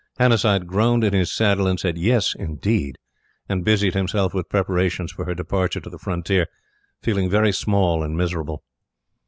Hannasyde groaned in his saddle and said, "Yes, indeed," and busied himself with preparations for her departure to the Frontier, feeling very small and miserable.